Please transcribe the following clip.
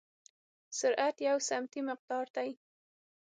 سرعت یو سمتي مقدار دی.